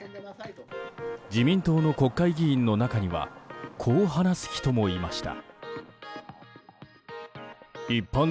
自民党の国会議員の中にはこう話す人もいました。